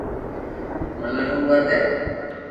منو ھووا دي